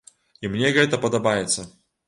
І мне гэта падабаецца.